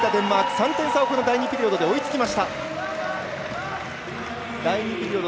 ３点差を第２ピリオドで追いつきました。